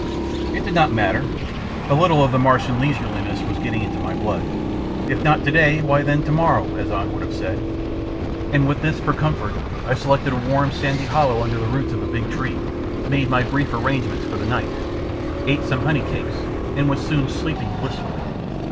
It did not matter; a little of the Martian leisureliness was getting into my blood: "If not today, why then tomorrow," as An would have said; and with this for comfort I selected a warm, sandy hollow under the roots of a big tree, made my brief arrangements for the night, ate some honey cakes, and was soon sleeping blissfully.